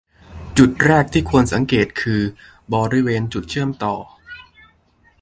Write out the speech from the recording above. โดยจุดแรกที่ควรสังเกตคือ บริเวณจุดเชื่อมต่อ